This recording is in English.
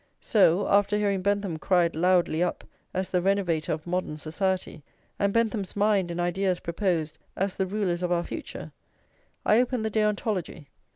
So, after hearing Bentham cried loudly up as the renovator of modern society, and Bentham's mind and ideas proposed as the rulers of our future, I open the Deontology.